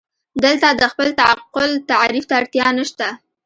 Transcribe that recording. دلته د خپل تعقل تعریف ته اړتیا نشته.